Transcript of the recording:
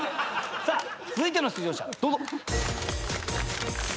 さあ続いての出場者どうぞ。